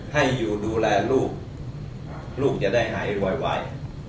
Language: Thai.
ให้อยู่ดูแลลูกลูกจะได้หายไว